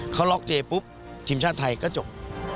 เขาล็อกเจปุ๊บทีมชาติไทยก็จบ